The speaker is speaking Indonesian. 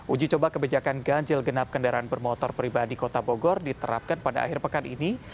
uji coba kebijakan ganjil genap kendaraan bermotor pribadi kota bogor diterapkan pada akhir pekan ini